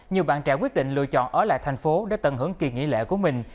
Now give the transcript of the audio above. nhiều bạn trẻ quyết định lựa chọn ở lại thành phố để tận hưởng kỳ nghỉ lễ của mình